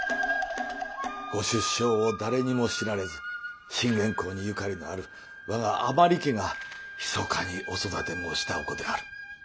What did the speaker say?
ご出生を誰にも知られず信玄公にゆかりのある我が甘利家がひそかにお育て申したお子である。